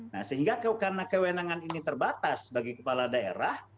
nah sehingga karena kewenangan ini terbatas bagi kepala daerah